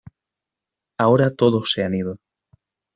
Ahora todos se han ido